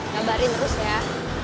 gabarin terus ya